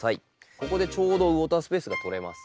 ここでちょうどウォータースペースが取れます。